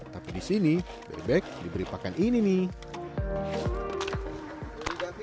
tapi di sini bebek diberi pakan ini nih